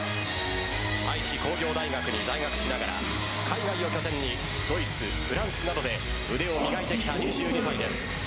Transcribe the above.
愛知工業大学に在学しながら海外を拠点にドイツ、フランスなどで腕を磨いてきた２２歳です。